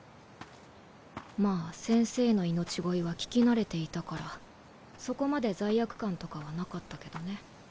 まぁ師匠の命乞いは聞き慣れていたからそこまで罪悪感とかはなかったけどね。